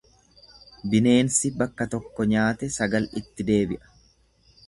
Bineensi bakka tokko nyaate sagal itti deebi'a.